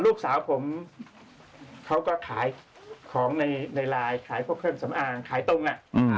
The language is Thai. ลูกสาวผมเขาก็ขายของในไลน์ขายพวกเครื่องสำอางขายตรงอ่ะ